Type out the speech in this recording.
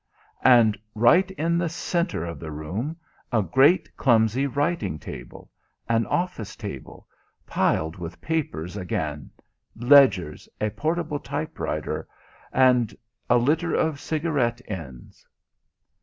And right in the centre of the room a great clumsy writing table, an office table, piled with papers again, ledgers, a portable typewriter, and a litter of cigarette ends.